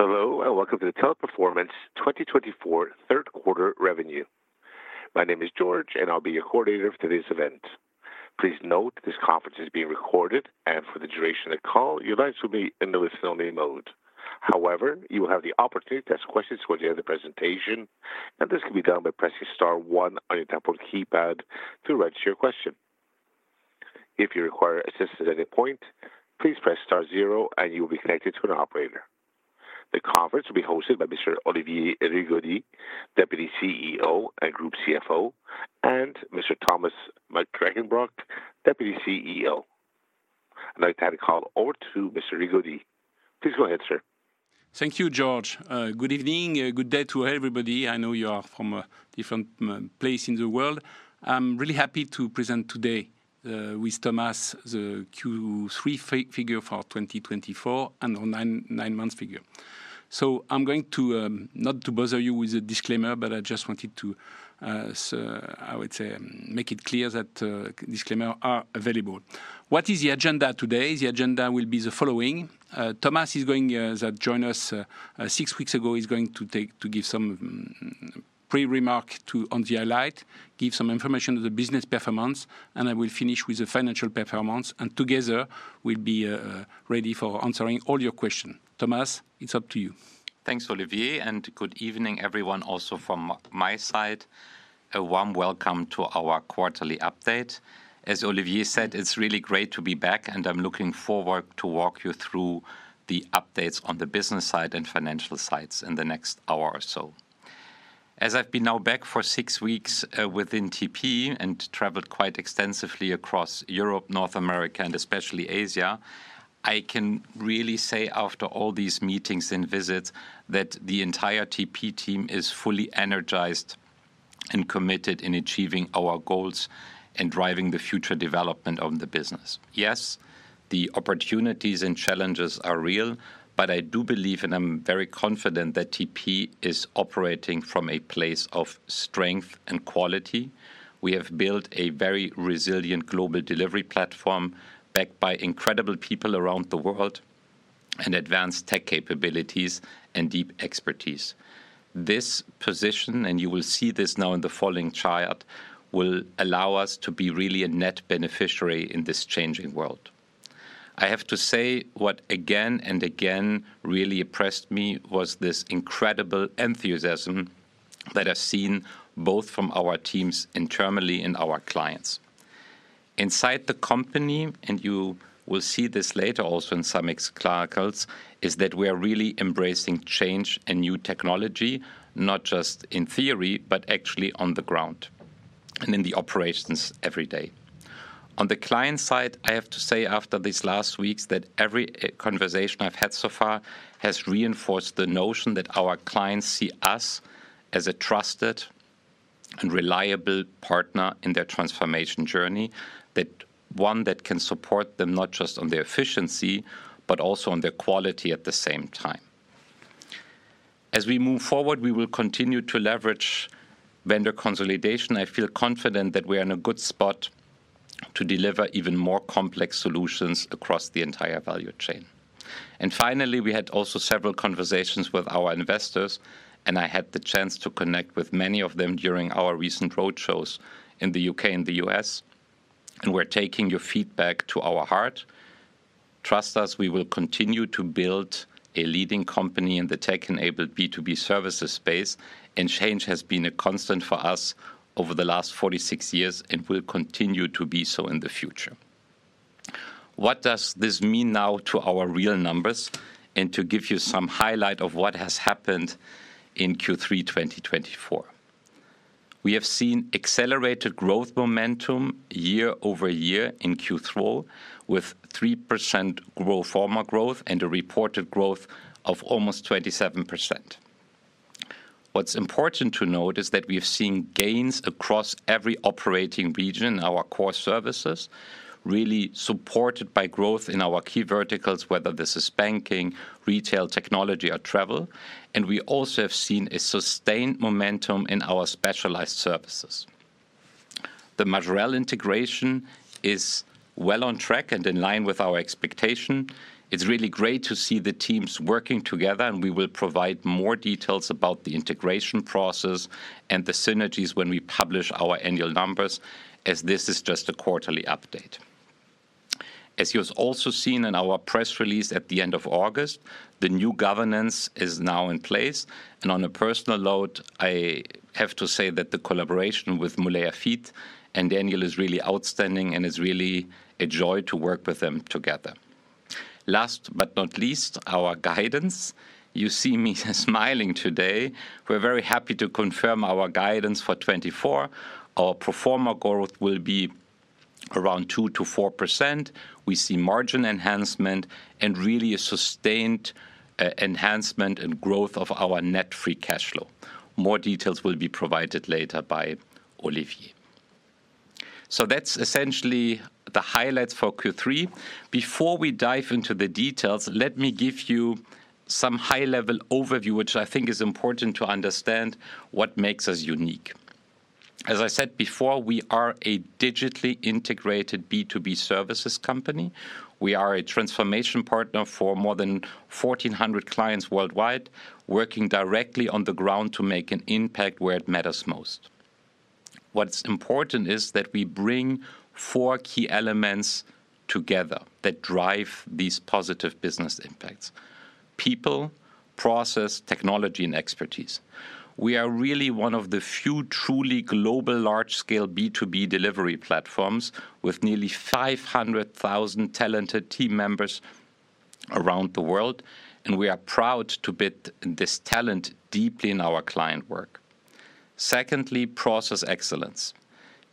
Hello and welcome to the Teleperformance 2024 third quarter revenue. My name is George and I'll be your coordinator for today's event. Please note this conference is being recorded and for the duration of the call your lines will be in the listen only mode. However, you will have the opportunity to ask questions towards the end of the presentation and this can be done by pressing star 1 on your telephone keypad to register your question. If you require assistance at a point, please press star zero and you will be connected to an operator. The conference will be hosted by Mr. Olivier Rigaudy, Deputy CEO and Group CFO, and Mr. Thomas Mackenbrock, Deputy CEO. I'd like to hand the call over to Mr. Rigaudy. Please go ahead, sir. Thank you, George. Good evening. Good day to everybody. I know you are from a different place in the world. I'm really happy to present today with Thomas the Q3 figure for 2024 and our nine month figure. So I'm not going to bother you with a disclaimer but I just wanted to I would say make it clear that disclaimers are available. What is the agenda today? The agenda will be the following. Thomas, who joined us six weeks ago. He's going to give some preliminary remarks on the highlights, give some information on the business performance and I will finish with the financial performance and we will be ready for answering all your questions. Thomas, it's up to you. Thanks, Olivier, and good evening, everyone. Also, from my side, a warm welcome to our quarterly update. As Olivier said, it's really great to be back and I'm looking forward to walk you through the updates on the business side and financial sides in the next hour or so. As I've been now back for six weeks within TP and traveled quite extensively across India, Europe, North America, and especially Asia, I can really say after all these meetings and visits that the entire TP team is fully energized and committed in achieving our goals and driving the future development of the business. Yes, the opportunities and challenges are real, but I do believe and I'm very confident that TP is operating from a place of strength and quality. We have built a very resilient global delivery platform backed by incredible people around the world and advanced tech capabilities and deep expertise. This position and you will see this now in the following slides will allow us to be really a net beneficiary in this changing world. I have to say what again and again really impressed me was this incredible enthusiasm that I've seen both from our teams internally and our clients outside the company and you will see this later also in some examples is that we are really embracing change and new technology, not just in theory, but actually on the ground and in the operations every day on the client side. I have to say after these last weeks that every conversation I've had so far has reinforced the notion that our clients see us as a trusted and reliable partner in their transformation journey, one that can support them not just on their efficiency but also on their quality. At the same time, as we move forward, we will continue to leverage vendor consolidation. I feel confident that we are in a good spot to deliver even more complex solutions across the entire value chain. And finally, we had also several conversations with our investors and I had the chance to connect with many of them during our recent roadshows in the UK and the US and we're taking your feedback to our heart. Trust us, we will continue to build a leading company in the tech-enabled B2B services. Pace of change has been a constant for us over the last 46 years and will continue to be so in the future. What does this mean now to our real numbers, and to give you some highlights of what has happened in Q3 2024, we have seen accelerated growth momentum year-over-year in Q4 with 3% pro forma growth and a reported growth of almost 27%. What's important to note is that we have seen gains across every operating region. Our core services really supported by growth in our key verticals, whether this is banking, retail technology or travel, and we also have seen a sustained momentum in our specialized services. The Majorel integration is well on track and in line with our expectation. It's really great to see the teams working together and we will provide more details about the integration process and the synergies when we publish our annual numbers as this is just a quarterly update. As you have also seen in our press release at the end of August, the new governance is now in place and on a personal I have to say that the collaboration with Moulay Hafid and Daniel is really outstanding and it's really a joy to work with them together. Last but not least, our guidance. You see me smiling today. We're very happy to confirm our guidance for 24. Our pro forma growth will be around 2%-4%. We see margin enhancement and really a sustained enhancement and growth of our net free cash flow. More details will be provided later by Olivier so that's essentially the highlights for Q3. Before we dive into the details, let me give you some high-level overview which I think is important to understand what makes us unique. As I said before, we are a digitally integrated B2B services company. We are a transformation partner for more than 1,400 clients worldwide. Working directly on the ground to make an impact where it matters most. What's important is that we bring four key elements together that drive these positive business outcomes. People, process, technology and expertise. We are really one of the few truly global large-scale B2B delivery platforms with nearly 500,000 talented team members around the world. And we are proud to embed this talent deeply in our client work. Secondly, process excellence.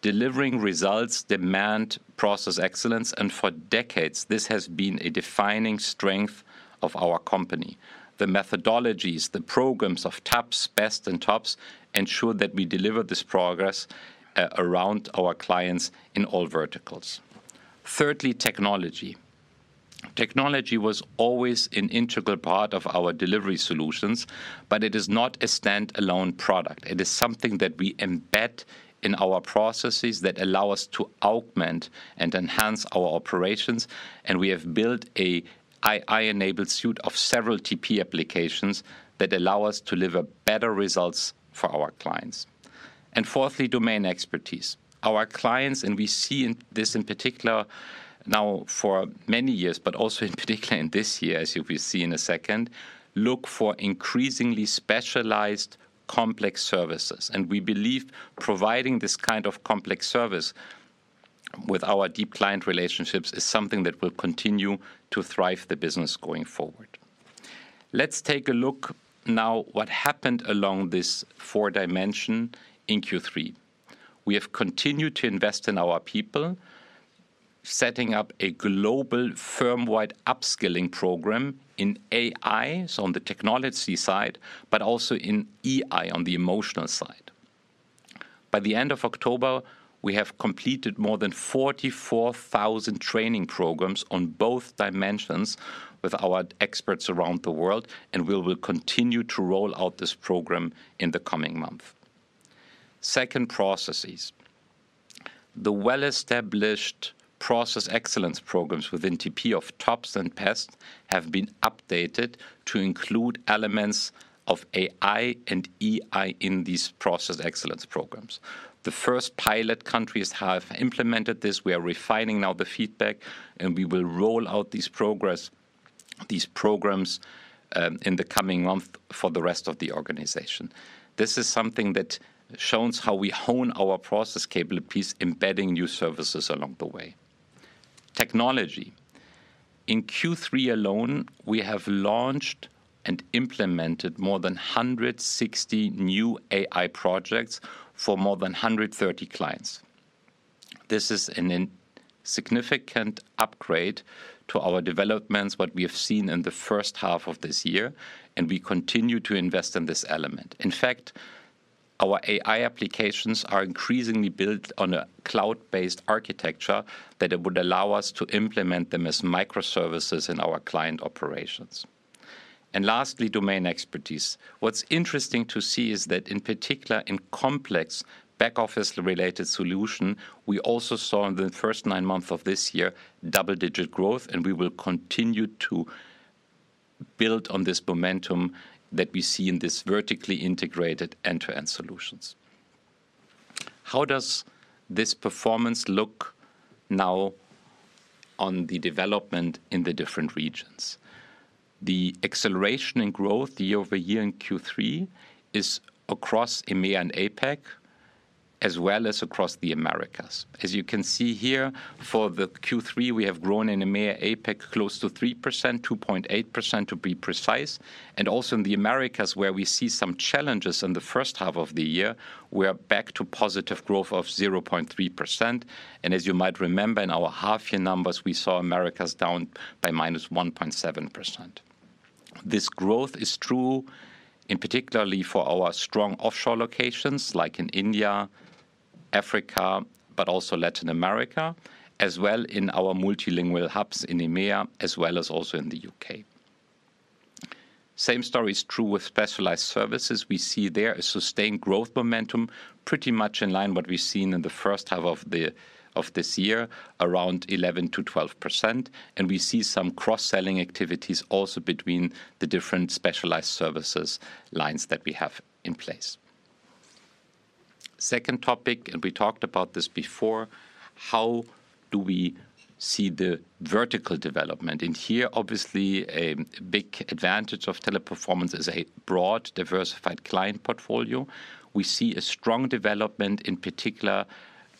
Delivering results demands process excellence. For decades this has been a defining strength of our company. The methodologies, the programs of TOPS, BEST & TOPS ensure that we deliver this progress around our clients and in all verticals. Thirdly, technology. Technology was always an integral part of our delivery solutions. But it is not a standalone product. It is something that we embed in our processes that allow us to augment and enhance our operations. And we have built an AI-enabled suite of several TP applications that allow us to deliver better results for our clients. And fourthly, domain expertise, our clients. And we see this in particular now for many years, but also in particular in this year as you will see in a second. Look for increasingly specialized complex services. And we believe providing this kind of complex service with our deep client relationships is something that will continue to drive the business going forward. Let's take a look now at what happened along these four dimensions. In Q3, we have continued to invest in our people, setting up a global firm-wide upskilling program in AI. So on the technology side, but also in EI on the emotional side. By the end of October, we have completed more than 44,000 training programs on both dimensions with our experts around the world. And we will continue to roll out this program in the coming months. Second, processes. The well-established Process Excellence programs within TP of TOPS and BEST have been updated to include elements of AI and EI in these process excellence programs. The first pilot countries have implemented this. We are refining now the feedback, and we will roll out these processes these programs in the coming month. For the rest of the organization, this is something that shows how we hone our process capabilities, embedding new services along the way, technology. In Q3 alone, we have launched and implemented more than 160 new AI projects for more than 130 clients. This is a significant upgrade to our developments what we have seen in the first half of this year, and we continue to invest in this element. In fact, our AI applications are increasingly built on a cloud-based architecture that would allow us to implement them as microservices in our client operations. And lastly, domain expertise. What's interesting to see is that, in particular, in complex back-office related solution, we also saw in the first nine months of this year double-digit growth, and we will continue to build on this momentum that we see in this vertically integrated end-to-end solutions. How does this performance look now on the development in the different regions? The acceleration in growth year-over-year in Q3 is across EMEA and APAC as well as across the Americas. As you can see here. For the Q3 we have grown in EMEA APAC close to 3%, 2.8% to be precise. And also in the Americas where we see some challenges. In the first half of the year we are back to positive growth of 0.3% and as you might remember in our half year numbers we saw Americas down by -1.7%. This growth is true in particularly for our strong offshore locations like in India, Africa, but also Latin America as well. In our multilingual hubs in EMEA as well as also in the UK same story is true with specialized services. We see there a sustained growth momentum pretty much in line. What we've seen in the first half of this year around 11%-12% and we see some cross selling activities also between the different specialized services lines that we have in place. Second topic, and we talked about this before, how do we see the vertical development and here obviously a big advantage of Teleperformance is a broad diversified client portfolio. We see a strong development in particular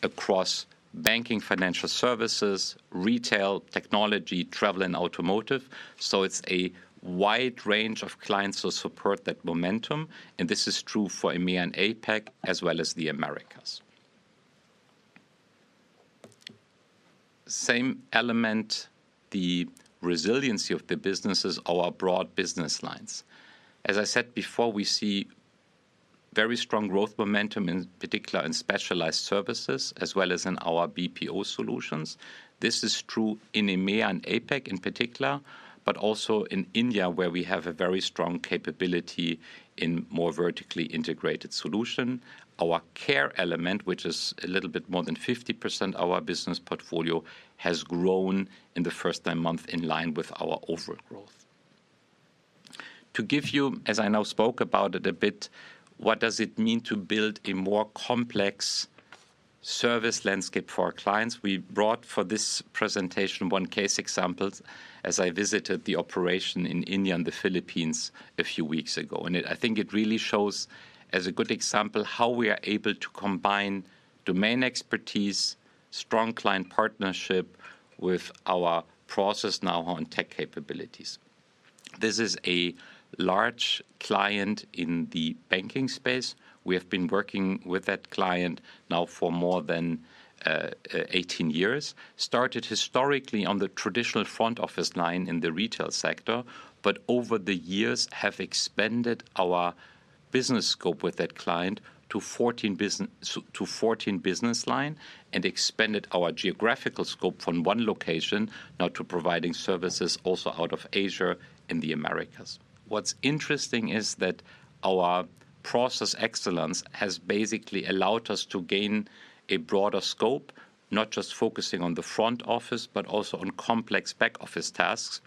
across banking, financial services, retail technology, travel and automotive. So it's a wide range of clients who support that momentum. And this is true for EMEA and APAC as well as the Americas. Same element, the resiliency of the businesses. Our broad business lines, as I said before, we see very strong growth momentum in particular in specialized services as well as in our BPO solutions. This is true in EMEA and APAC in particular, but also in India where we have a very strong capability in more vertically integrated solution. Our customer care element, which is a little bit more than 50%, our business portfolio has grown in the first nine months in line with our overall growth. To give you as I now spoke about it a bit, what does it mean to build a more complex service landscape for our clients? We brought for this presentation one case example as I visited the operation in India and the Philippines and a few weeks ago and I think it really shows as a good example how we are able to combine domain expertise, strong client partnership with our process now on tech capabilities. This is a large client in the banking space. We have been working with that client now for more than 18 years. Started historically on the traditional front office line in the retail sector, but over the years have expanded our business scope with that client to 14 business line and expanded our geographical scope from one location now to providing services also out of Asia and the Americas. What's interesting is that our process excellence has basically allowed us to gain a broader scope. Not just focusing on the front office, but also on complex back office tasks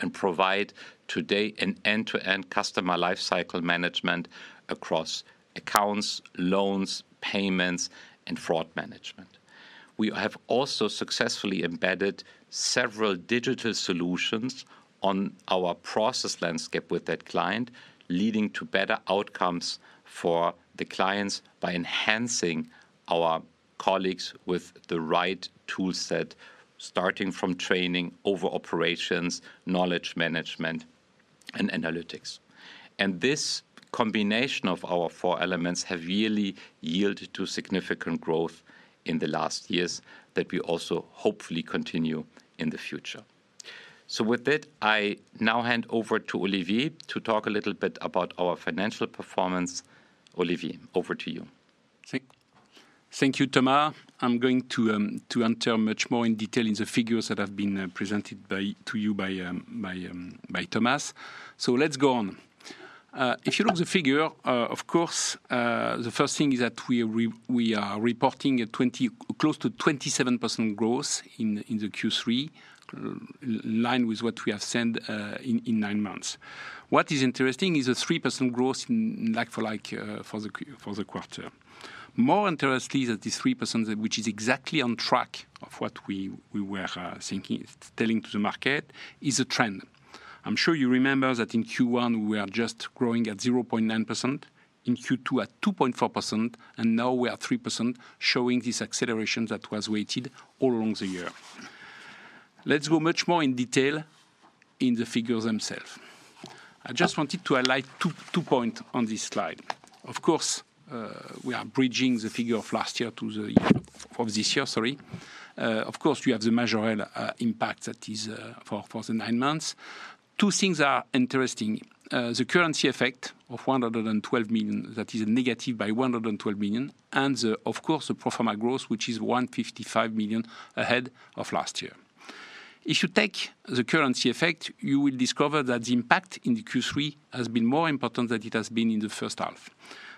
and provide today an end to end customer lifecycle management across accounts, loans, payments and fraud management. We have also successfully embedded several digital solutions on our process landscape with that client, leading to better outcomes for the clients by enhancing our colleagues with the right tool set starting from training over operations, knowledge management and analytics. This combination of our four elements have really yielded to significant growth in the last years that we also hopefully continue in the future. With that I now hand over to Olivier to talk a little bit about our financial performance. Olivier, over to you. Thank you, Thomas. I'm going to go into much more detail in the figures that have been presented to you by Thomas, so let's go on. If you look at the figure, of course the first thing is that we are reporting close to 27% growth in the Q3 in line with what we have said in nine months. What is interesting is a 3% growth in like-for-like for the quarter. More interesting is that this 3% which is exactly on track of what we were telling to the market is a trend. I'm sure you remember that in Q1 we are just growing at 0.9%. In Q2 at 2.4% and now we are 3% showing this acceleration that was awaited all along the year. Let's go much more in detail in the figures themselves. I just wanted to highlight two points on this slide. Of course we are bridging the figure of last year-over-year. Sorry. Of course you have the major impact for the nine months. Two things are interesting. The currency effect of 112 million, that is negative by 112 million. And of course the pro forma growth which is 155 million ahead of last year. If you take the currency effect, you will discover that the impact in Q3 has been more important than it has been in the first half.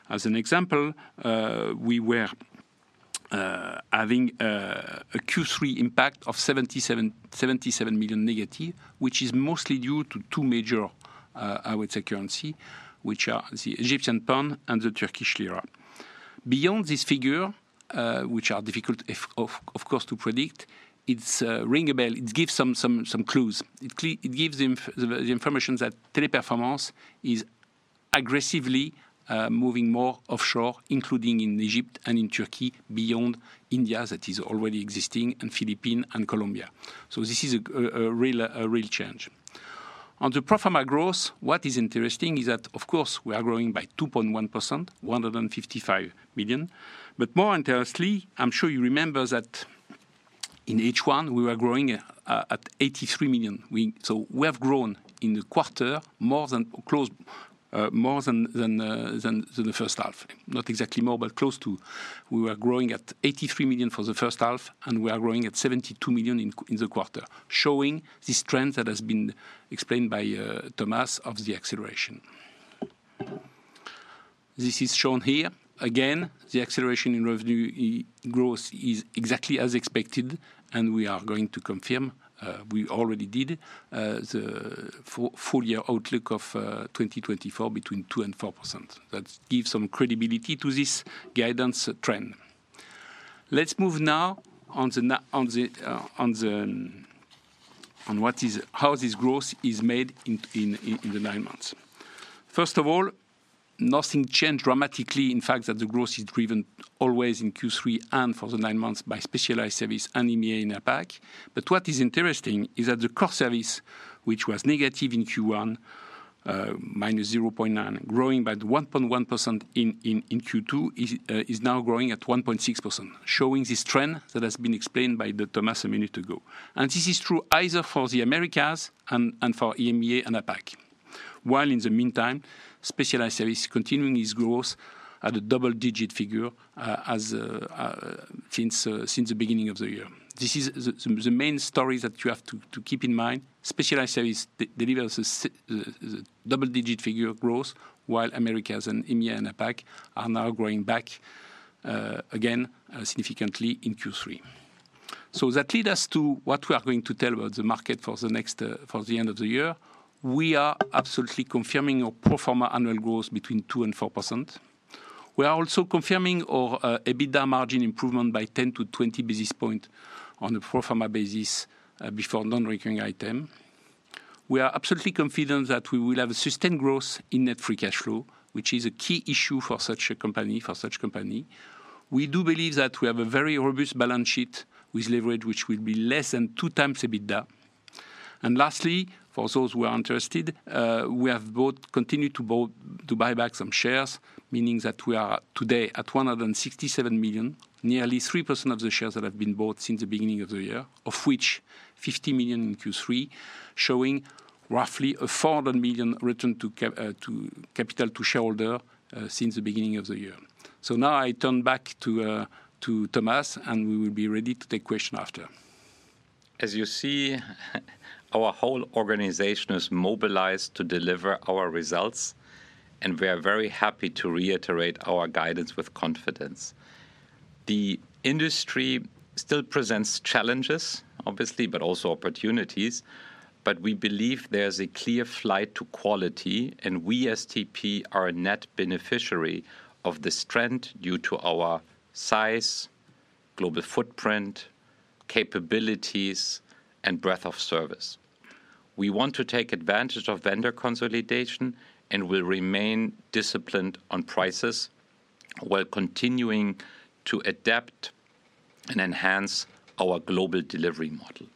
As an example, we were having a Q3 impact of 77 million negative which is mostly due to two major, I would say currencies which are the Egyptian Pound and the Turkish Lira. Beyond this figure, which is difficult of course to predict, it rings a bell. It gives some clues. It gives the information that Teleperformance is aggressively moving more offshore including in Egypt and in Turkey, beyond India, that is already existing and Philippines and Colombia. So this is a real change on the pro forma growth. What is interesting is that of course we are growing by 2.1% 155 million. But more interestingly I'm sure you remember that in H1 we were growing at 83 million. So we have grown in the quarter more than the first half. Not exactly more, but close to. We were growing at 83 million for the first half and we are growing at 72 million in the quarter showing this trend that has been explained by Thomas of the acceleration. This is shown here. Again, the acceleration in revenue growth is exactly as expected, and we are going to confirm we already did the full year outlook of 2024 between 2% and 4%. That gives some credibility to this guidance trend. Let's move now on to how this growth is made in the nine months. First of all, nothing changed dramatically. In fact, the growth is driven always in Q3 and for the nine months by specialized service and EMEA and APAC. But what is interesting is that the core service which was negative in Q1 -0.9% growing by 1.1% in Q2 is now growing at 1.6% showing this trend that has been explained by Thomas a minute ago. And this is true either for the Americas and for EMEA and APAC while in the meantime Specialized Services continuing its growth at a double digit figure since the beginning of the year. This is the main story that you have to keep in mind. Specialized Services delivers double digit figure growth while Americas and EMEA and APAC are now growing back again significantly in Q3. So that lead us to what we are going to tell about the market for the next for the end of the year we are absolutely confirming our pro forma annual growth between 2%-4%. We are also confirming our EBITDA margin improvement by 10-20 basis points on a pro forma basis before nonrecurring item. We are absolutely confident that we will have a sustained growth in net free cash flow which is a key issue for such a company. For such company we do believe that we have a very robust balance sheet with leverage which will be less than two times EBITDA. Lastly, for those who are interested, we have continued to buy back some shares, meaning that we are today at 167 million, nearly 3% of the shares that have been bought since the beginning of the year, of which 50 million in Q3, showing roughly a 400 million return capital to shareholder since the beginning of the year. Now I turn back to Thomas, and we will be ready to take questions after. As you see, our whole organization is mobilized to deliver our results and we are very happy to reiterate our guidance with confidence. The industry still presents challenges obviously, but also opportunities. But we believe there is a clear flight to quality and we as TP are a net beneficiary of this trend due to our size, global footprint, capabilities and breadth of service. We want to take advantage of vendor consolidation and will remain disciplined on prices while continuing to adapt and enhance our global delivery model.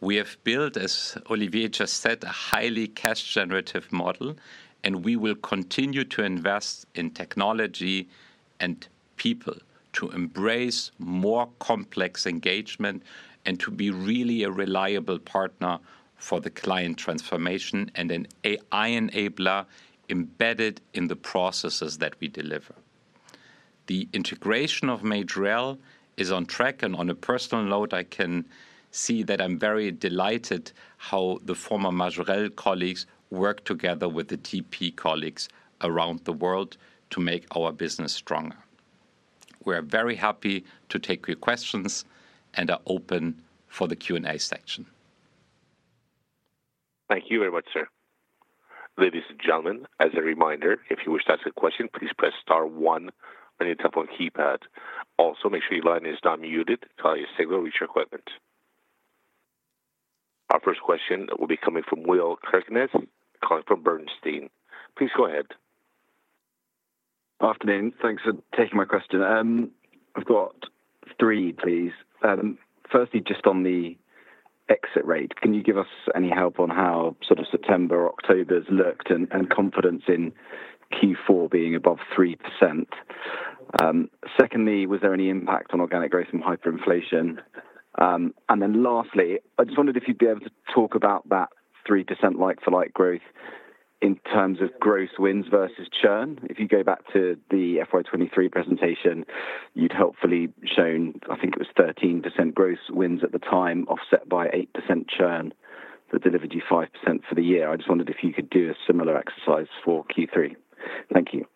We have built, as Olivier just said, a highly cash generative model. And we will continue to invest in technology and people to embrace more complex engagement and to be really a reliable partner for the client transformation and an AI enabler embedded in the processes that we deliver. The integration of Majorel is on track. On a personal note, I can see that. I'm very delighted how the former Majorel colleagues work together with the TP colleagues around the world to make our business stronger. We are very happy to take your questions and are open for the Q&A section. Thank you very much, sir. Ladies and gentlemen, as a reminder, if you wish to ask a question, please press star one on your telephone keypad. Also make sure your line is not muted. Check your signal on your equipment. Our first question will be coming from Will Kirkness calling from Bernstein. Please go ahead. Afternoon. Thanks for taking my question. I've got three, please. Firstly, just on the exit rate, can you give us any help on how sort of September October's looked and confidence in Q4 being above 3%? Secondly, was there any impact on organic growth from hyperinflation? And then lastly, I just wondered if you'd be able to talk about that 3% like for like growth in terms of growth wins versus churn. If you go back to the FY23 presentation, you'd hopefully shown, I think it was 13% gross wins at the time, offset by 8% churn, that delivered you 5% for the year. I just wondered if you could do a similar exercise for Q3. Thank you.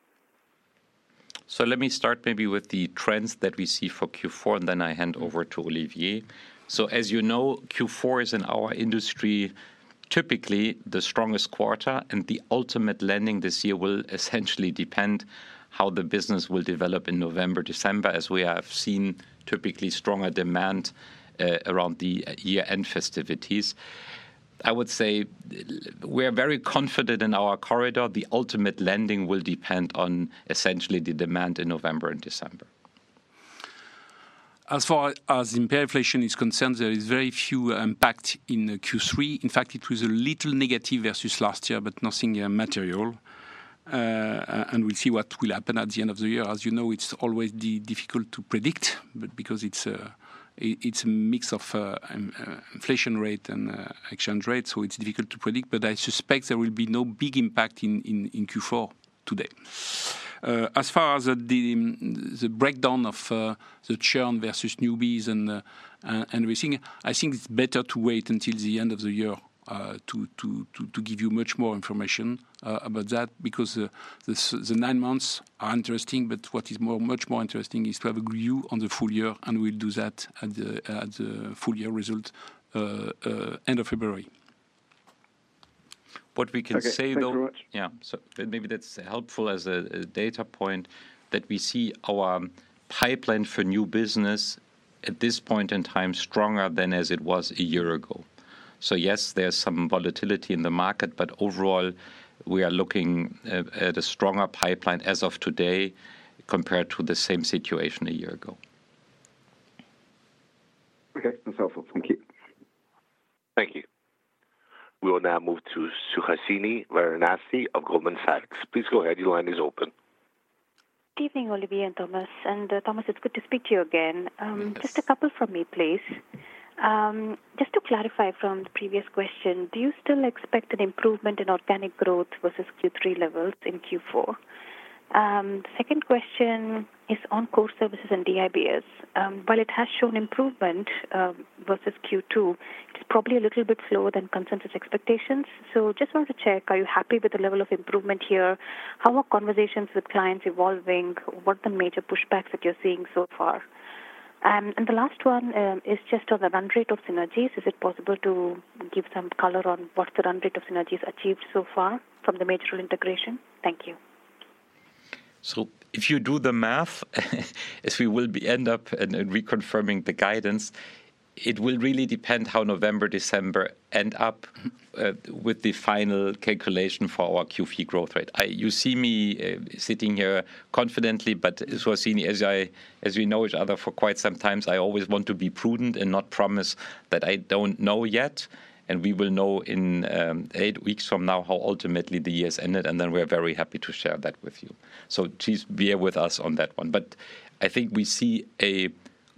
Let me start maybe with the trends that we see for Q4 and then I hand over to Olivier. As you know, Q4 is in our industry typically the strongest quarter and the ultimate landing this year will essentially depend how the business will develop in November, December as we have seen typically stronger demand around the year-end festivities. I would say we are very confident in our guidance. The ultimate landing will depend on essentially the demand in November and December. As far as hyperinflation is concerned, there is very little impact in Q3. In fact it was a little negative versus last year, but nothing material and we'll see what will happen at the end of the year. As you know, it's always difficult to predict because it's a mix of inflation rate and exchange rate. So it's difficult to predict. But I suspect there will be no big impact in Q4 today. As far as the breakdown of the churn versus new wins and everything. I think it's better to wait until the end of the year to give you much more information about that because the nine months are interesting. But what is much more interesting is to have a view on the full year and we'll do that at the full year results end of February. What we can say though. Yeah, so maybe that's helpful as a data point that we see our pipeline for new business at this point in time stronger than as it was a year ago. So yes, there's some volatility in the market but overall we are looking at a stronger pipeline as of today compared to the same situation a year ago. Okay, that's helpful. Thank you. Thank you. We will now move to Suhasini Varanasi of Goldman Sachs. Please go ahead. Your line is open. Good evening, Olivier and Thomas. And Thomas, it's good to speak to you again. Just a couple from me please. Just to clarify from the previous question, do you still expect an improvement in organic growth versus Q3 levels in Q4? Second question is on core services and DBS. While it has shown improvement versus Q2, it's probably a little bit slower than consensus expectations. So just wanted to check, are you happy with the level of improvement here? How are conversations with clients evolving? What the major pushbacks that you're seeing so far and the last one is just on the run rate of synergies, is it possible to give some color on what the run rate of synergies achieved so far from the Majorel integration? Thank you. So if you do the math, as we will be end up reconfirming the guidance, it will really depend how November, December end up with the final calculation for our Q3 growth rate. You see me sitting here confidently, but as I, as we know each other for quite some time, I always want to be prudent and not promise that I don't know yet. And we will know in eight weeks from now how ultimately the year's ended, and then we are very happy to share that with you. So please bear with us on that one. But I think we see a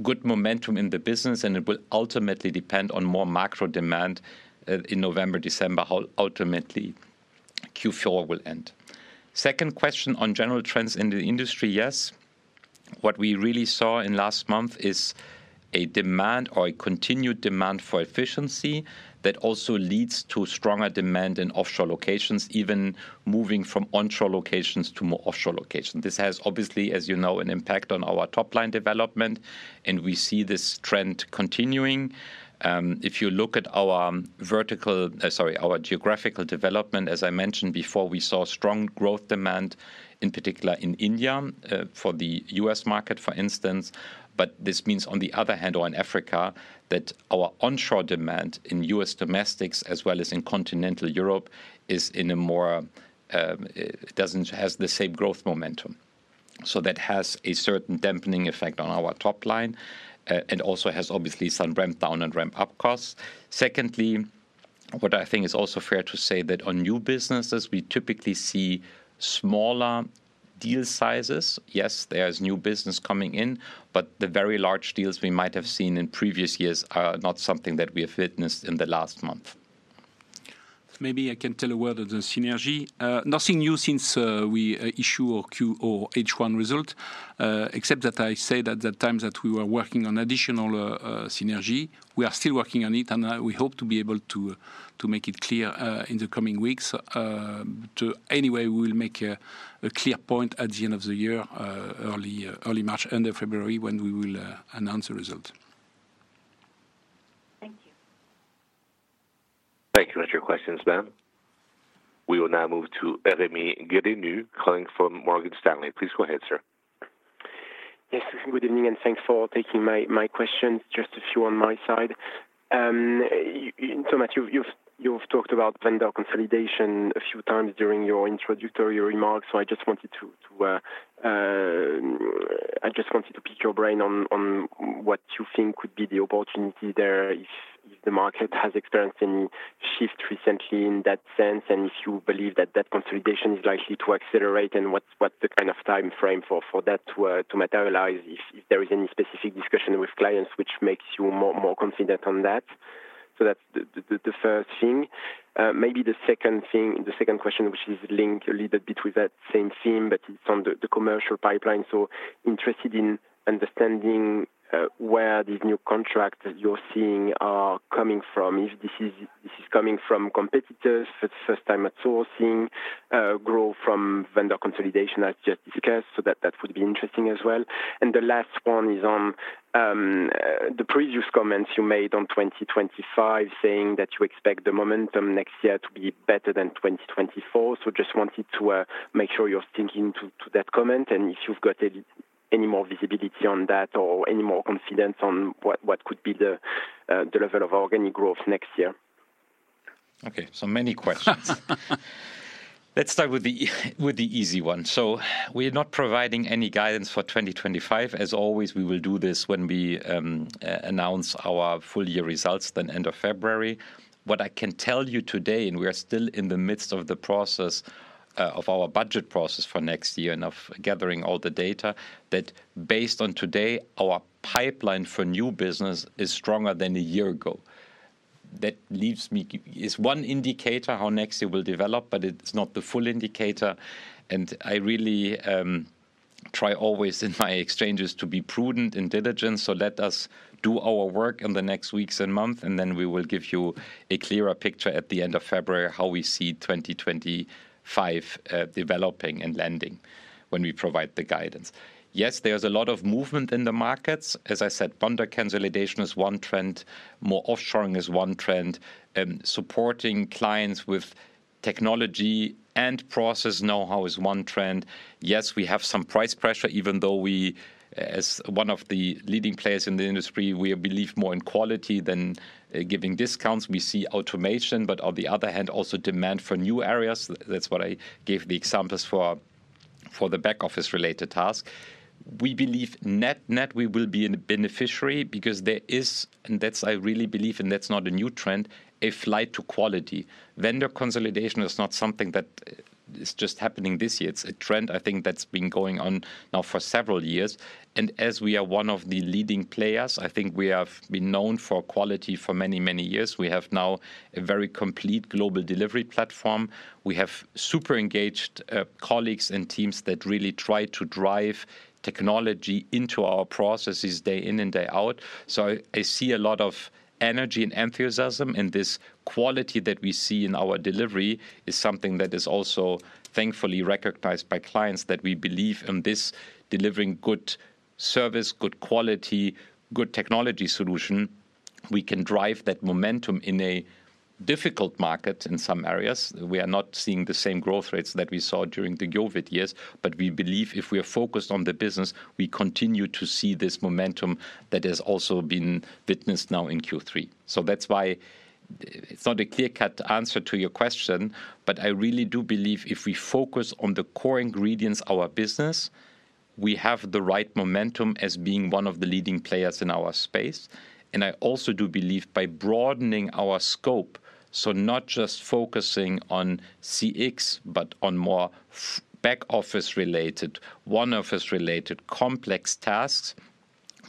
good momentum in the business, and it will ultimately depend on more macro demand in November, December, how ultimately Q4 will end. Second question on general trends in the industry. Yes. What we really saw in last month is a demand or a continued demand for efficiency that also leads to stronger demand in offshore locations, even moving from onshore locations to more offshore locations. This has obviously, as you know, an impact on our top line development and we see this trend continuing. If you look at our vertical, sorry, our geographical development, as I mentioned before, we saw strong growth demand in particular in India for the U.S. market for instance. But this means on the other hand, or in Africa that our onshore demand in U.S. domestics as well as in continental Europe is more doesn't have the same growth momentum. So that has a certain dampening effect on our top line and also has obviously some ramp down and ramp up costs. Secondly, what I think is also fair to say that on new businesses we typically see smaller deal sizes. Yes, there is new business coming in, but the very large deals we might have seen in previous years are not something that we have witnessed in the last month. Maybe I can say a word on the synergy, nothing new since we issued our H1 results. Except that I said at that time that we were working on additional synergy. We are still working on it and we hope to be able to make it clear in the coming weeks. But anyway, we will make a clear point at the end of the year, early March, end of February, when we will announce the results. Thank you for your questions, ma'am. We will now move to Rémi Grenouilleau calling from Morgan Stanley. Please go ahead, sir. Yes, good evening and thanks for taking my questions. Just a few on my side. Thomas, you've talked about vendor consolidation a few times during your introductory remarks. So I just wanted to pick your brain on what you think would be the opportunity there if the market has experienced any shift recently in that sense and if you believe that that consolidation is likely to accelerate and what's the kind of time frame for that to materialize if there is any specific discussion with clients, which makes you more confident on that. So that's the first thing. Maybe the second thing, the second question which is linked a little bit with that same theme, but it's on the commercial pipeline. So, interested in understanding where these new contracts you're seeing are coming from. If this is coming from competitors for the first time, outsourcing growth from vendor consolidation as just discussed. So that would be interesting as well. And the last one is on the previous comments you made on 2025 saying that you expect the momentum next year to be better than 2024. So just wanted to make sure you're thinking to that comment and if you've got any more visibility on that or any more confidence on what could be the level of organic growth next year. Okay, so many questions. Let's start with the easy one, so we are not providing any guidance for 2025 as always, we will do this when we full year results then end of February. What I can tell you today, and we are still in the midst of the process of our budget process for next year and of gathering all the data, that, based on today, our pipeline for new business is stronger than a year ago. That leaves me is one indicator how next year will develop, but it's not the full indicator, and I really try always in my exchanges to be prudent and diligent, so let us do our work in the next weeks and months and then we will give you a clearer picture at the end of February how we see 2025 developing and unfolding when we provide the guidance. Yes, there's a lot of movement in the markets. As I said, vendor consolidation is one trend. More offshoring is one trend. Supporting clients with technology and process know how is one trend. Yes, we have some price pressure even though we, as one of the leading players in the industry, believe more in quality than giving discounts. We see automation but on the other hand also demand for new areas. That's what I gave the examples for for the back office related task. We believe net net we will be a beneficiary because there is and that's I really believe and that's not a new trend. A flight to quality vendor consolidation is not something that is just happening this year. It's a trend I think that's been going on now for several years. And as we are one of the leading players, I think we have been known for quality for many many years. We have now a very complete global delivery platform. We have super engaged colleagues and teams that really try to drive technology into our processes day in and day out. So I see a lot of energy and enthusiasm in this quality that we see in our delivery is something that is also thankfully recognized by clients that we believe in this delivering good service, good quality, good technology solution. We can drive that momentum in a difficult market. In some areas we are not seeing the same growth rates that we saw during the COVID years. But we believe if we are focused on the business we continue to see this momentum that has also been witnessed now in Q3. So that's why it's not a clear-cut answer to your question. But I really do believe if we focus on the core ingredients our business we have the right momentum as being one of the leading players in our space, and I also do believe by broadening our scope so not just focusing on CX but on more back-office related onshore related complex tasks.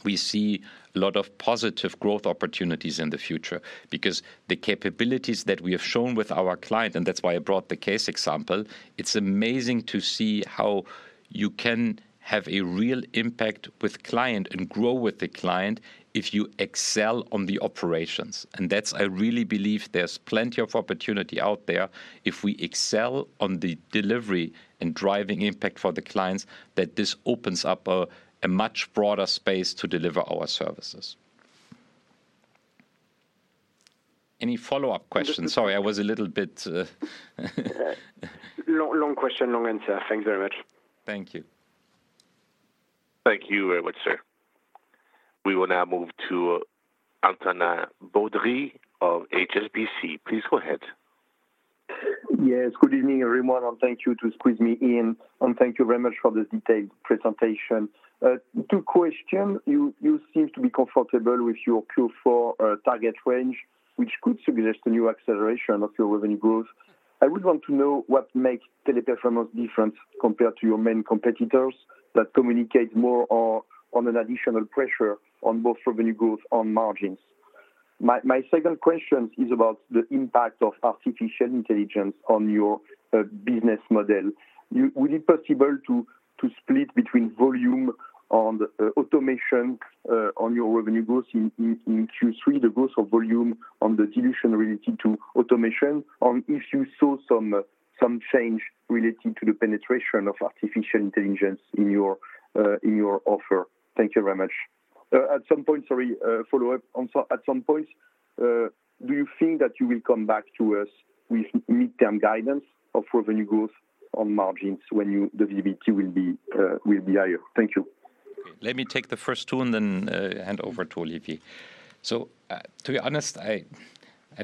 We see a lot of positive growth opportunities in the future because the capabilities that we have shown with our client and that's why I brought the case example. It's amazing to see how you can have a real impact with client and grow with the client if you excel on the operations and that's. I really believe there's plenty of opportunity out there if we excel on the delivery and driving impact for the clients, that this opens up a much broader space to deliver our services. Any follow up questions? Sorry, I was a little bit. Long question, long answer. Thanks very much. Thank you. Thank you very much, sir. We will now move to Antonin Baudry of HSBC. Please go ahead. Yes, good evening everyone, and thank you to squeeze me in, and thank you very much for this detailed presentation. Two questions. You seem to be comfortable with your Q4 target range, which could suggest a new acceleration of your revenue growth. I would want to know what makes Teleperformance different compared to your main competitors that communicate more on an additional pressure on both revenue growth on margins. My second question is about the impact of artificial intelligence on your business model. Would it possible to split between volume on automation on your revenue growth in Q3, the growth of volume on the dilution related to automation, and if you saw some change related to the penetration of artificial intelligence in your offer. Thank you very much. At some point. Sorry, follow up at some points. Do you think that you will come back to us with midterm guidance of revenue growth on margins when the VBT will be higher? Thank you. Let me take the first two and then hand over to Olivier. So to be honest, I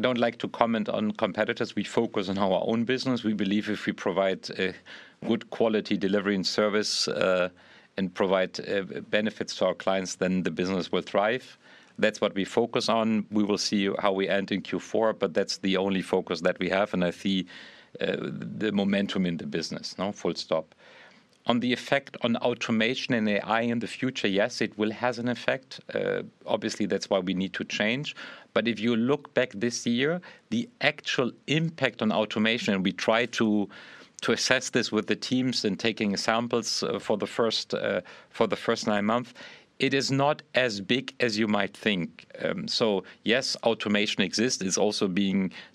don't like to comment on competitors. We focus on our own business. We believe if we provide good quality delivery and service and provide benefits to our clients, then the business will thrive. That's what we focus on. We will see how we end in Q4, but that's the only focus that we have and I see the momentum in the business. On the effect on automation and AI in the future. Yes, it will have an effect, obviously that's why we need to change. But if you look back this year, the actual impact on automation, we try to assess this with the teams and taking samples for the first nine months. It is not as big as you might think. So yes, automation exists. It's also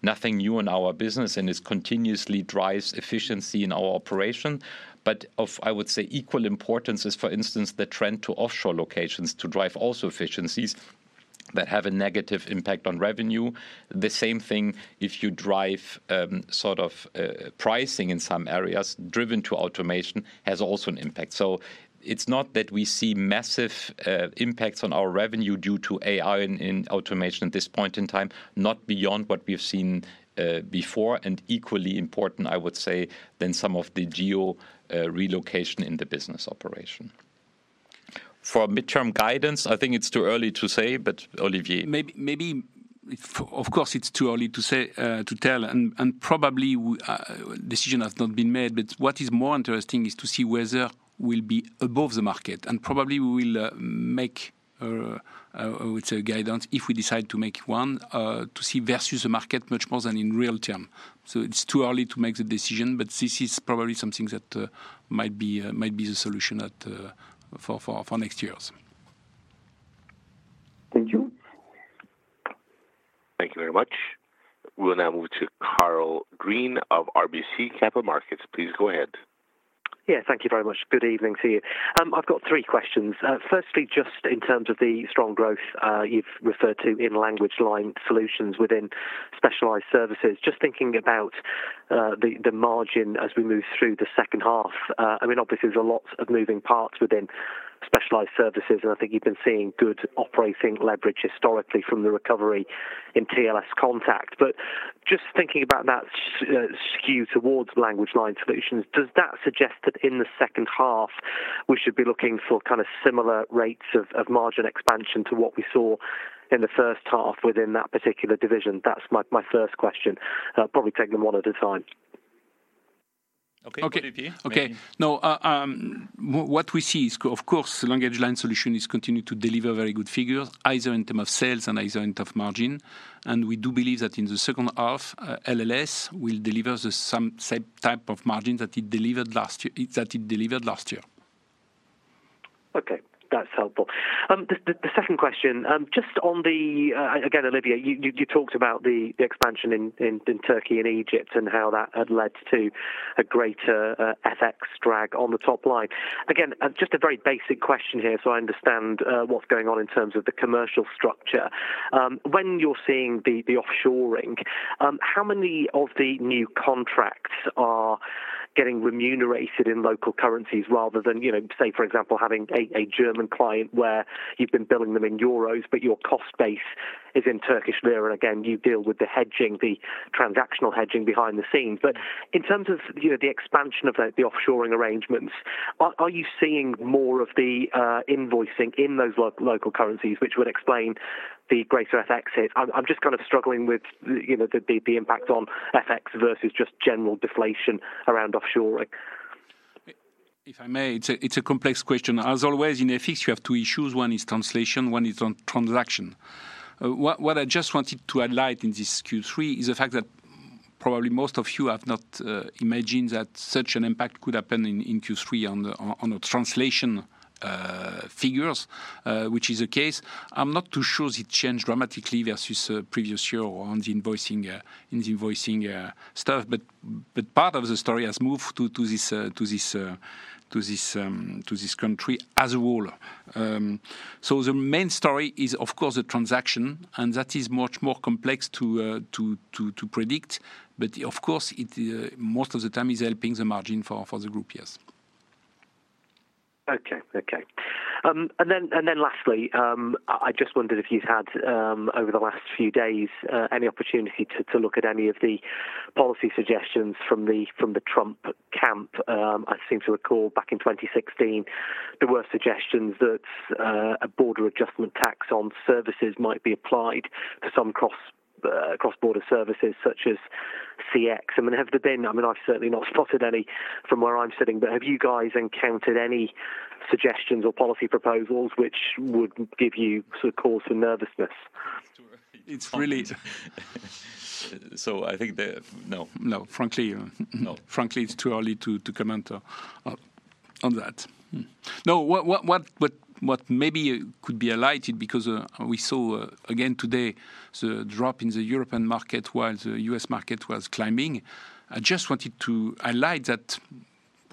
nothing new in our business and continuously drives efficiency in our operation. But, I would say, of equal importance is, for instance, the trend to offshore locations to drive also efficiencies that have a negative impact on revenue. The same thing if you drive sort of pricing in some areas. The drive to automation has also an impact. So it's not that we see massive impacts on our revenue due to AI and automation at this point in time, not beyond what we have seen before. And equally important, I would say, is some of the geo relocation in the business operation for mid-term guidance. I think it's too early to say. But, Olivier, maybe, maybe. Of course it's too early to say to tell and probably decision has not been made. But what is more interesting is to see whether we'll be above the market and probably we will make guidance if we decide to make one to see versus the market much more than in real term. So it's too early to make the decision but this is probably something that might be the solution for next year. Thank you. Thank you very much. We will now move to Karl Green of RBC Capital Markets. Please go ahead. Yeah, thank you very much. Good evening to you. I've got three questions. Firstly, just in terms of the strong growth you've had referred to in LanguageLine Solutions within specialized services, just thinking about the margin as we move through the second half. I mean obviously there's a lot of moving parts within specialized services and I think you've been seeing good operating leverage historically from the recovery in TLScontact. But just thinking about that skew towards LanguageLine Solutions, does that suggest that in the second half we should be looking for kind of similar rates of margin expansion to what we saw in the first half within that particular division? That's my first question. Probably take them one at a time. Okay. Now what we see is of course the LanguageLine Solutions is continue to deliver very good figures either in terms of sales and either in terms of margin. And we do believe that in the second half, LanguageLine Solutions will deliver the same type of margins that it delivered last year. Okay, that's helpful. The second question just on the. Again, Olivier, you talked about the expansion in Turkey and Egypt and how that had led to a greater FX drag on the top line. Again, just a very basic question here. So I understand what's going on in terms of the commercial structure. When you're seeing the offshoring, how many of the new contracts are getting remunerated in local currencies rather than say, for example, having a German client where you've been billing them in euros, but your cost base is in Turkish lira. Again, you deal with the hedging, the transactional hedging behind the scenes. In terms of the expansion of the offshoring arrangements, are you seeing more of the invoicing in those local currencies which would explain the greater FX? I'm just kind of struggling with the impact on FX versus just general deflation around offshoring, if I may. It's a complex question. As always in FX you have two issues. One is translation, one is transaction. What I just wanted to highlight in this Q3 is the fact that probably most of you have not imagined that such an impact could happen in Q3 on the translation figures, which is the case. I'm not too sure it changed dramatically versus previous year or on the invoicing stuff. But part of the story has moved to this country as a whole. So the main story is of course a transaction, and that is much more complex to predict. But of course most of the time is helping the margin for the group. Yes. Okay. Okay. And then lastly, I just wondered if you've had over the last few days any opportunity to look at any of the policy suggestions from the Trump camp. I seem to recall back in 2016 there were suggestions that a border adjustment tax on services might be applied to some cross-border services such as CX. I mean, I've certainly not spotted any from where I'm sitting, but have you guys encountered any suggestions or policy proposals which would give you cause for nervousness? It's really. I think. No, no, frankly. Frankly, it's too early to comment on that. No. What maybe could be highlighted because we saw again today the drop in the European market while the US market was climbing. I just wanted to highlight that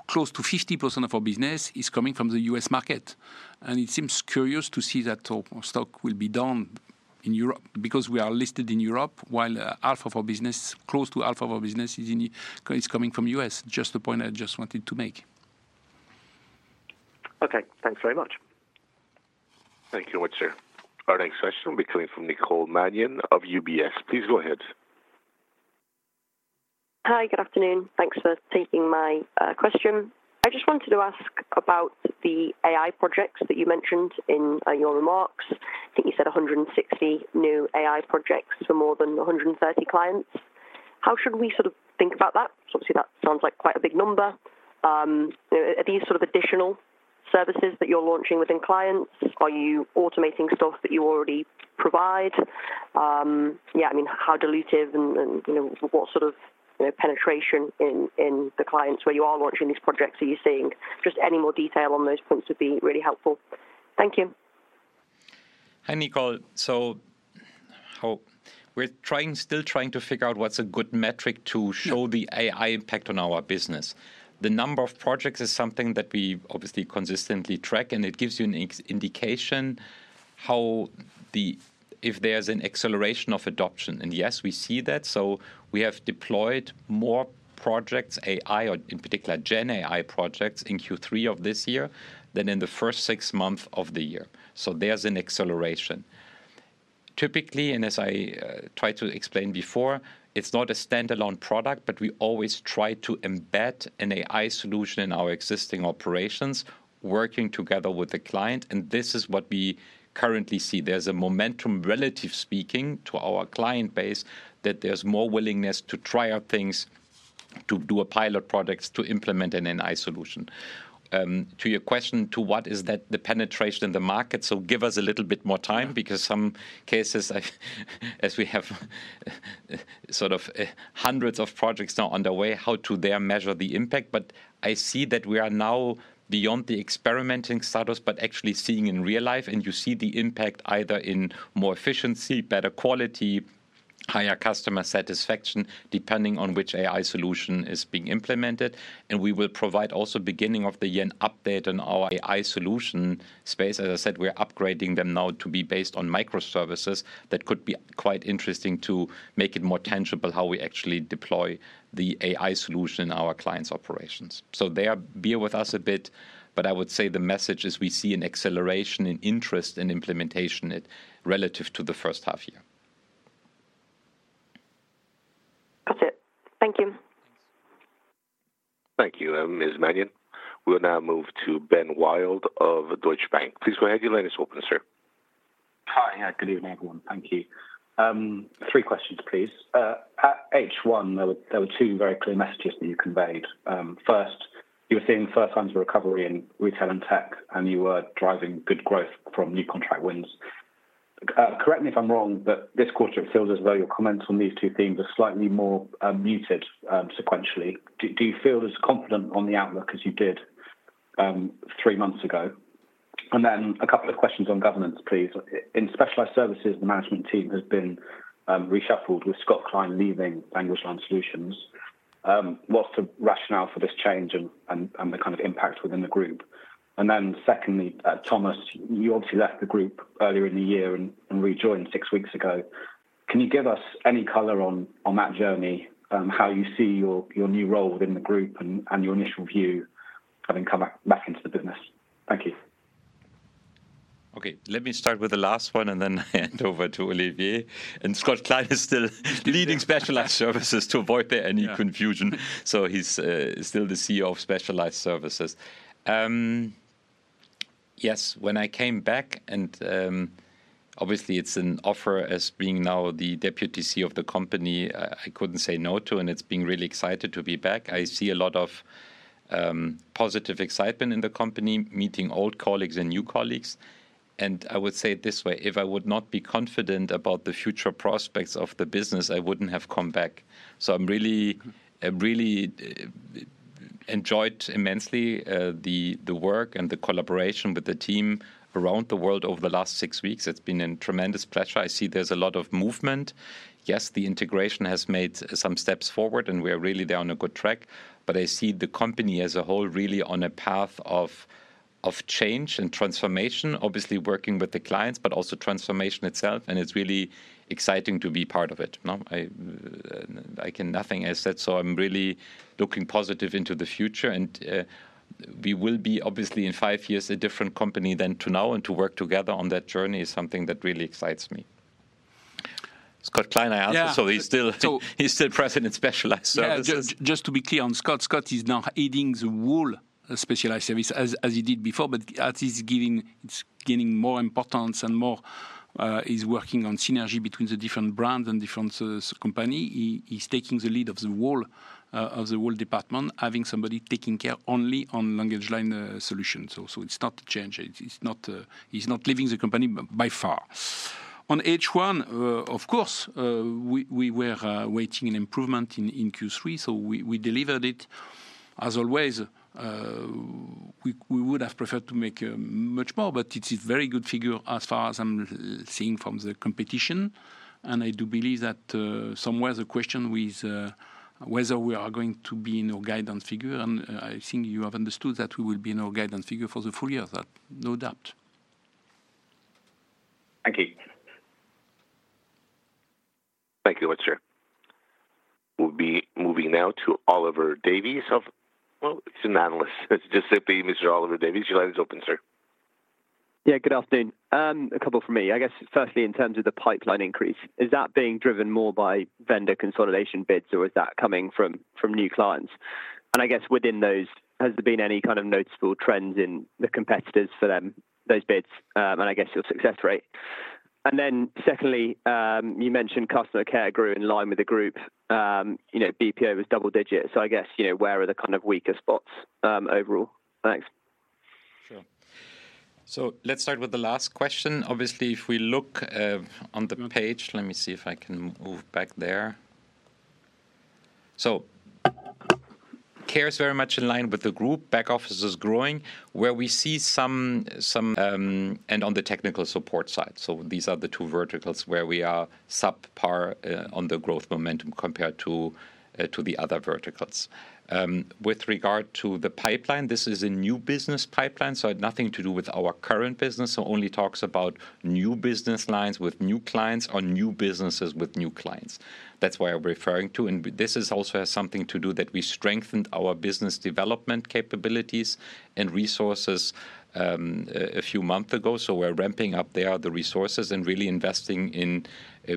close to 50% of our business is coming from the US market and it seems curious to see that stock will be down in Europe because we are listed in Europe while half of our business, close to half of our business is coming from US. Just the point I just wanted to make. Okay, thanks very much. Thank you, Monsieur. Our next question will be coming from Nicole Manion of UBS. Please go ahead. Hi, good afternoon. Thanks for taking my question. I just wanted to ask about the AI projects that you mentioned in your remarks. I think you said 160 new AI projects for more than 130 clients. How should we sort of think about that? Obviously that sounds like quite a big number. Are these sort of additional services that you're launching within clients, are you automating stuff that you already provide? Yeah, I mean how dilutive and what sort of penetration in the clients where you are launching these projects are you seeing? Just any more detail on those points would be really helpful. Thank you. Hi Nicole. We're still trying to figure out what's a good metric to show the AI impact on our business. The number of projects is something that we obviously consistently track and it gives you an indication of how, if there's an acceleration of adoption, and yes we see that. We have deployed more projects, AI or in particular Gen AI projects in Q3 of this year than in the first six months of the year. There's an acceleration typically and as I tried to explain before, it's not a standalone product but we always try to embed an AI solution in our existing operations working together with the client and this is what we currently see. There's a momentum, relatively speaking, to our client base that there's more willingness to try out things, to do pilot projects, to implement an AI solution. To your question to what is that? The penetration in the market. So give us a little bit more time because in some cases as we have sort of hundreds of projects underway, how do they measure the impact. But I see that we are now beyond the experimenting status but actually seeing in real life and you see the impact either in more efficiency, better quality, higher customer satisfaction, depending on which AI solution is being implemented. And we will provide also beginning of the year an update on our AI solution space. As I said, we're upgrading them now to be based on microservices. That could be quite interesting to make it more tangible how we actually deploy the AI solution in our clients operations, so bear with us a bit, but I would say the message is we see an acceleration in interest in implementation relative to the first half year. Got it. Thank you. Thank you, Ms. Manion. We will now move to Ben Wild of Deutsche Bank. Please go ahead. Your line is open, sir. Hi, good evening, everyone. Thank you. Three questions, please. At H1, there were two very clear messages that you conveyed. First, you were seeing firsthand recovery in retail and tech and you were driving good growth from new contract wins. Correct me if I'm wrong, but this quarter it feels as though your comments on these two themes are slightly more muted sequentially. Do you feel as confident on the outlook as you did three months ago? And then a couple of questions on governance, please. In Specialized Services, the management team has been reshuffled with Scott Klein leaving LanguageLine Solutions. What's the rationale for this change and the kind of impact within the group? And then secondly, Thomas, you obviously left the group earlier in the year and rejoined six weeks ago. Can you give us any color on that journey, how you see your new role within the group and your initial view having come back into the business? Thank you. Okay, let me start with the last one and then hand over to Olivier, and Scott Klein is still leading Specialized Services, to avoid any confusion. So he's still the CEO of Specialized Services? Yes. When I came back and obviously it's an offer as being now the Deputy CEO of the company I couldn't say no to and it's been really excited to be back. I see a lot of positive excitement in the company meeting old colleagues and new colleagues, and I would say it this way, if I would not be confident about the future prospects of the business, I wouldn't have come back. So I'm really, really enjoyed immensely the work and the collaboration with the team around the world over the last six weeks. It's been a tremendous pleasure. I see there's a lot of movement. Yes, the integration has made some steps forward and we are really there on a good track, but I see the company as a whole really on a path of change and transformation, obviously working with the clients, but also transformation itself, and it's really exciting to be part of it, nothing as that, so I'm really looking positive into the future, and we will be obviously in five years a different company than to now, and to work together on that journey is something that really excites me. Scott Klein, I answer, so he's still present in Specialized Services, just. To be clear on Scott. Scott is now aiding the whole specialized services as he did before, but it's gaining more importance and he is working on synergy between the different brands and different companies. He's taking the lead of the whole of the specialized services department, having somebody taking care only of LanguageLine Solutions. So it starts to change. He's not leaving the company by far. In H1, of course we were waiting an improvement in Q3, so we delivered it. As always, we would have preferred to make much more, but it's a very good figure as far as I'm seeing from the competition. I do believe that somewhere the question is whether we are going to be in our guidance figure. And I think you have understood that we will be in our guidance figure for the full year, no doubt. Thank you. Thank you, sir. We'll be moving now to Oliver Davies. Well, it's an analyst, just simply Mr. Oliver Davies. Your line is open, sir. Yeah, good afternoon. A couple for me, I guess firstly, in terms of the pipeline increase, is that being driven more by vendor consolidation bids or is that coming from new clients? And I guess within those has there been any kind of noticeable trends in the competitors for them, those bids and I guess your success rate. And then secondly, you mentioned customer care grew in line with the group. You know, BPO was double digit. So I guess, you know, where are the kind of weaker spots overall? Thanks. Sure. So let's start with the last question. Obviously, if we look on the page, let me see if I can move back there. So, care is very much in line with the group. Back-office is growing where we see some and on the technical support side. So, these are the two verticals where we are subpar on the growth momentum compared to the other verticals. With regard to the pipeline, this is a new business pipeline, so nothing to do with our current business. So, only talks about new business lines with new clients or new businesses with new clients. That's why I'm referring to. And this also has something to do that we strengthened our business development capabilities and resources a few months ago. So, we're ramping up there the resources and really investing in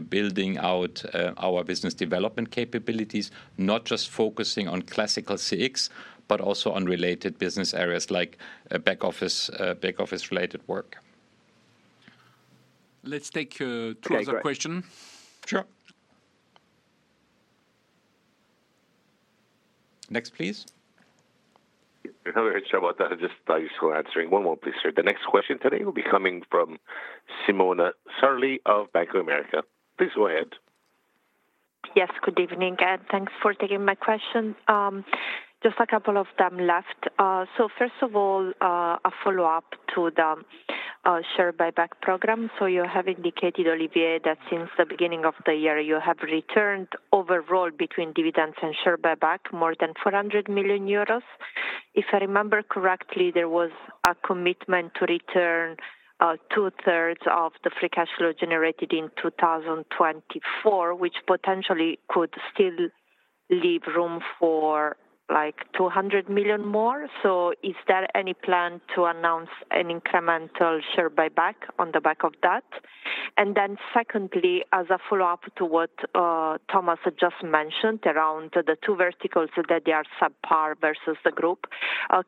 building out our business development capabilities. Not just focusing on classical CX, but also on related business areas like back office, back office related work. Let's take two other questions. Sure. Next please. Not very sure about that. Just thanks for answering. One more please. Sir. The next question today will be coming from Simona Sarli of Bank of America. Please go ahead. Yes, good evening and thanks for taking my question. Just a couple of them left. So first of all, a follow up to the share buyback program. So you have indicated, Olivier, that since the beginning of the year you have returned overall, between dividends and share buyback, more than 400 million euros. If I remember correctly, there was a commitment to return two thirds of the free cash flow generated in 2024, which potentially could still leave room for like 200 million more. So is there any plan to announce an incremental share buyback on top of that? And then secondly, as a follow up to what Thomas had just mentioned around the two verticals, that they are subpar versus the group,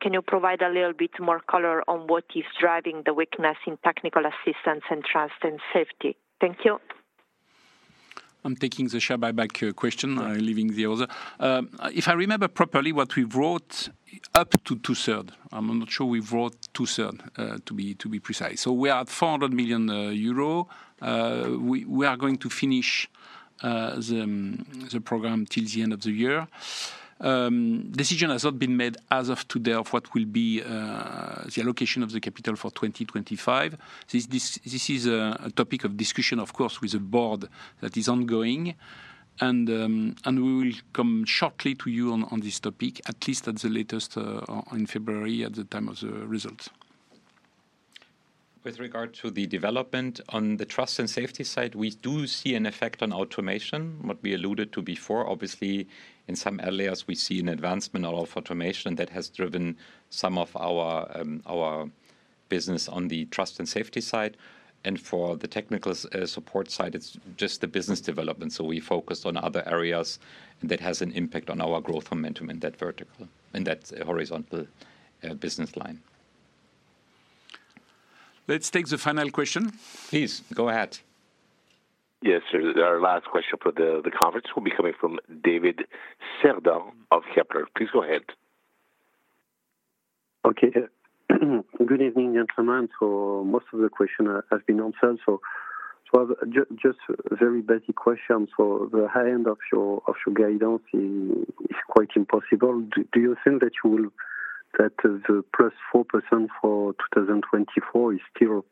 can you provide a little bit more color on what is driving the weakness in technical assistance and Trust and Safety? Thank you. I'm t aking the share buyback question, leaving the other. If I remember properly what we wrote up to two-thirds. I'm not sure we've wrote two-thirds to be precise. So we are at 400 million euro. We are going to finish the program till the end of the year. Decision has not been made as of today of what will be the allocation of the capital for 2025. This is a topic of discussion, of course, with the board that is ongoing and we will come back to you shortly on this topic, at least at the latest in February at the time of the results. With regard to the development on the trust and safety side, we do see an effect on automation. What we alluded to before, obviously in some areas we see an advancement of automation that has driven some of our business on the trust and safety side. And for the technical support side, it's just the business development. So we focused on other areas and that has an impact on our growth momentum in that vertical. Vertical in that horizontal business line. Let's take the final question. Please go ahead. Yes, sir. Our last question for the conference will be coming from David Cerdan of Kepler Cheuvreux. Please go ahead. Okay. Good evening, gentlemen. So most of the question has been answered. So just a very basic question. So the high end of your guidance is quite ambitious. Do you think that your +4% for 2024 is still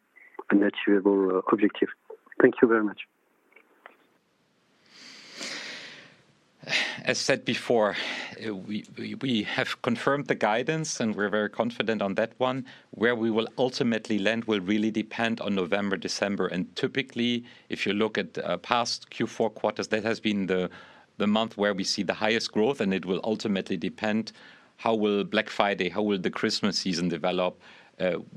an achievable objective? Thank you very much. As said before, we have confirmed the guidance and we're very confident on that one. Where we will ultimately land will really depend on November, December, and typically if you look at past Q4 quarters, that has been the month where we see the highest growth. And it will ultimately depend on how will Black Friday, how will the Christmas season develop,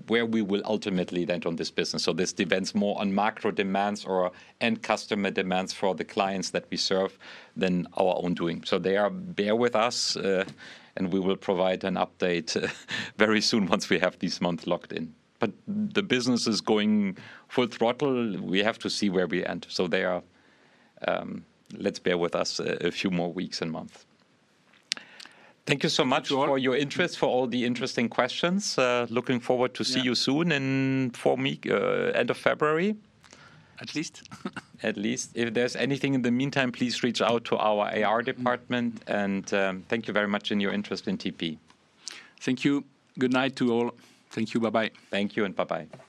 where we will ultimately land on this business. So this depends more on macro demands or end customer demands for the clients that we serve than our own doing. So, bear with us and we will provide an update very soon once we have this month locked in. But the business is going full throttle. We have to see where we end. So. Bear with us a few more weeks and months. Thank you so much for your interest for all the interesting questions. Looking forward to see you soon. For me, end of February at least. At least. If there's anything in the meantime, please reach out to our IR department, and thank you very much in your interest in TP. Thank you. Good night to all. Thank you. Bye bye. Thank you and bye bye.